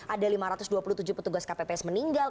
ada lima ratus dua puluh tujuh petugas kpps meninggal